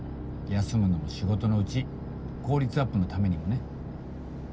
休むのも仕事のうち効率アップのためにもね。